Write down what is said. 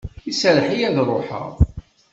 Iserreḥ-iyi ad ruḥeɣ.